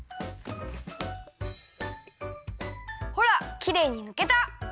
ほらきれいにぬけた！